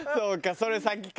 それ先か。